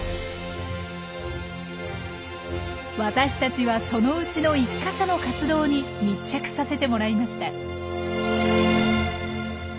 私たちはそのうちの１か所の活動に密着させてもらいました。